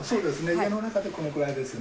家の中でこのくらいですね。